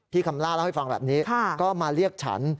คำล่าเล่าให้ฟังแบบนี้ก็มาเรียกฉัน